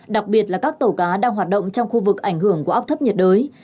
đặc biệt là các tàu cá đang hoạt động trong khu vực ảnh hưởng của áp thấp nhiệt đới